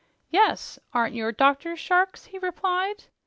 "Yes, aren't your doctors sharks?" he replied.